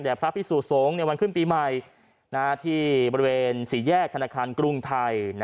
พระพิสุสงฆ์ในวันขึ้นปีใหม่ที่บริเวณสี่แยกธนาคารกรุงไทย